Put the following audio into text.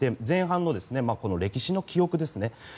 前半の歴史の記憶ですね。